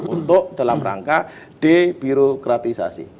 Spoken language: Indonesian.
untuk dalam rangka debirokratisasi